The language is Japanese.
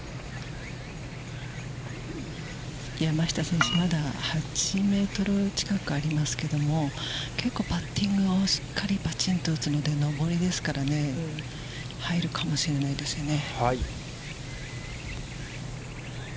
山下選手、まだ８メートル近くありますけども、結構パッティングをしっかり打つので、上りですからね、入るかもしれないですよね。